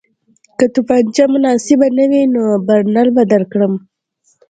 که توپانچه مناسبه نه وي نو برنر به درکړم